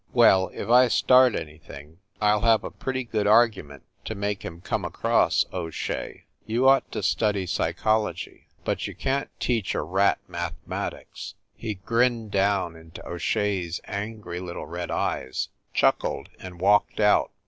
"Well, if I start anything, I ll have a pretty good argument to make him come across, O Shea. You ought to study psychology. But you can t teach a THE NORCROSS APARTMENTS 277 rat mathematics." He grinned down into O Shea s angry little red eyes, chuckled, and walked out.